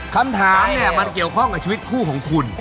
คำถามเนี่ยมันเกี่ยวข้องกับชีวิตคู่ของคุณ